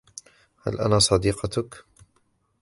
هل أنا صديقتك ؟